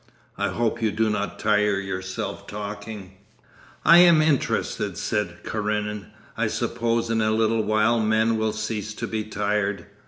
I hope you do not tire yourself talking.' 'I am interested,' said Karenin. 'I suppose in a little while men will cease to be tired.